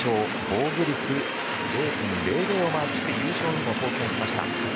防御率０．００をマークして優勝にも貢献しました。